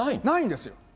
ないんですよ。